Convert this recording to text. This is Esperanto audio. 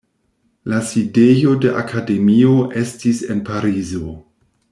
La sidejo de akademio estis en Parizo.